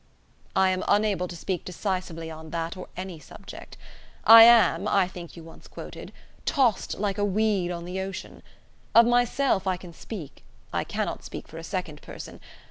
"I am unable to speak decisively on that or any subject. I am, I think you once quoted, 'tossed like a weed on the ocean.' Of myself I can speak: I cannot speak for a second person.